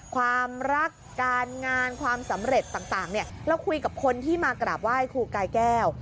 ความรักการงานความสำเร็จต่างเราคุยกับคนที่มากราบไหว้ครูกายแก้ว